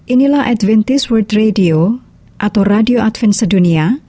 inilah adventist world radio atau radio advent sedunia